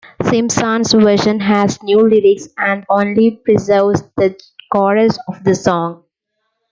Simpson's version has new lyrics and only preserves the chorus of the song.